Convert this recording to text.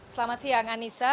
selamat siang anissa